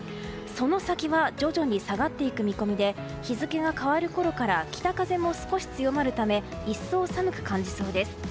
その先は徐々に下がっていく見込みで日付が変わるころから北風も少し強まるため一層、寒く感じそうです。